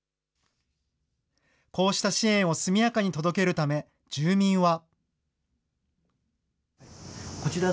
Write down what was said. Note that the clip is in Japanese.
こうした支援を速やかに届けるため、住民は。